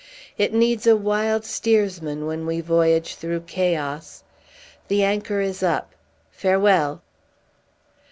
It needs a wild steersman when we voyage through chaos! The anchor is up, farewell!"